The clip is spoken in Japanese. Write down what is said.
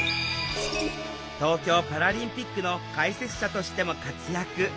東京パラリンピックの解説者としても活躍。